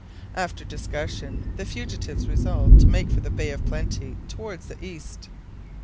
After discussion, the fugitives resolved to make for the Bay of Plenty, towards the east.